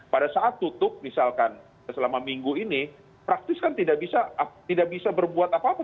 pada saat tutup misalkan selama minggu ini praktis kan tidak bisa berbuat apa apa